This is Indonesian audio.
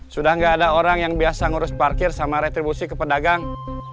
sudah nggak ada orang yang biasa ngurus parkir sama retribusi ke pedagang